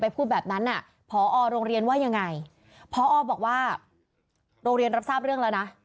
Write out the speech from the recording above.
พูดแบบนั้นน่ะพอโรงเรียนว่ายังไงพอบอกว่าโรงเรียนรับทราบเรื่องแล้วนะ